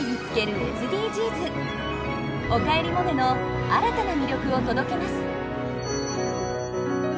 「おかえりモネ」の新たな魅力を届けます。